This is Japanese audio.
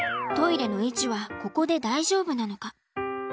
トイレの位置はここで大丈夫なのか？